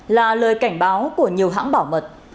là lời cảnh báo của nhiều hãng bảo mật